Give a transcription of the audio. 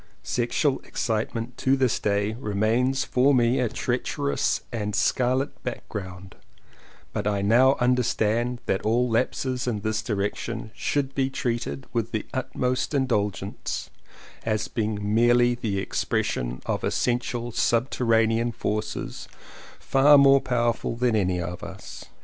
Sexual excitement to this day remains for me a treacherous and scarlet background, but I now understand that all lapses in this direction should be treated with the utmost indulgence as being merely the expression of essential subterranean forces far more 185 CONFESSIONS OF TWO BROTHERS powerful than any of us.